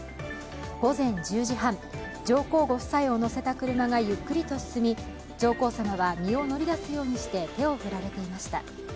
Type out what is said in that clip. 午前１０時半、上皇ご夫妻を乗せた車がゆっくりと進み、上皇さまは身を乗り出すようにして手を振られていました。